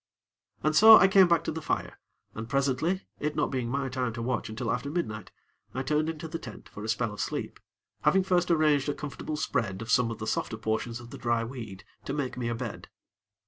And so I came back to the fire, and presently, it not being my time to watch until after midnight, I turned into the tent for a spell of sleep, having first arranged a comfortable spread of some of the softer portions of the dry weed to make me a bed.